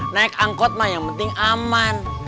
naik angkot mah yang penting aman